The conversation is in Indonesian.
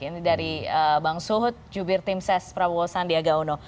ini dari bang suhut jubir timses prabowo sandiaga uno